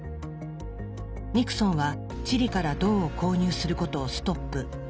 ニクソンはチリから銅を購入することをストップ。